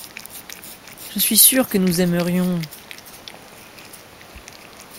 Je suis sûr que nous aimerions.